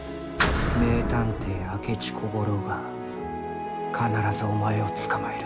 名探偵明智小五郎が必ずお前を捕まえる。